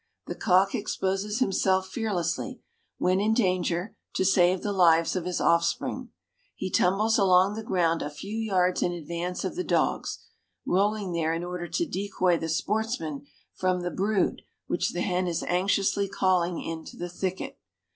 The cock exposes himself fearlessly, when in danger, to save the lives of his offspring. He tumbles along the ground a few yards in advance of the dogs, rolling there in order to decoy the sportsman from the brood which the hen is anxiously calling into the thicket.